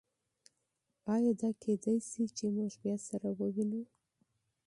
ایا دا ممکنه ده چې موږ بیا سره وګورو؟